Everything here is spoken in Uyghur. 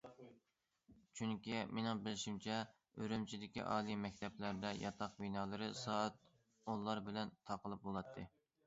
چۈنكى، مېنىڭ بىلىشىمچە، ئۈرۈمچىدىكى ئالىي مەكتەپلەردە ياتاق بىنالىرى سائەت ئونلار بىلەن تاقىلىپ بولاتتى.